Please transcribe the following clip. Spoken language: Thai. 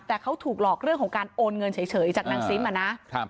แต่เขาถูกหลอกเรื่องของการโอนเงินเฉยจากนางซิมอ่ะนะ